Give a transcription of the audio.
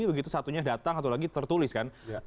begitu satunya datang satu lagi tertulis kan